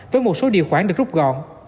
với một số điều khoản được rút gọn